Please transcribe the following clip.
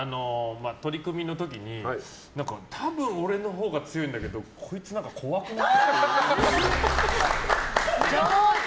取組の時に多分俺のほうが強いんだけどこいつ何か、怖くない？っていう。